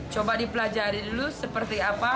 coba dipelajari dulu seperti apa